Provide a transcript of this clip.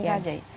pendakian saja ya